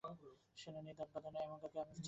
সোনা দিয়ে দাঁত বাঁধানো এমন কাউকে আমি চিনি না।